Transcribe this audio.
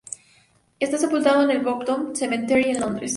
Está sepultado en el Brompton Cemetery en Londres.